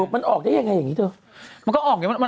มันออกได้ยังไงอย่างนี้ดู